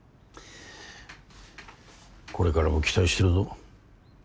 これからも期待してるぞ。